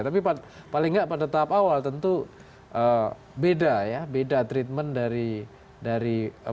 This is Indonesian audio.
tapi paling nggak pada tahap awal tentu beda ya beda treatment dari pemerintah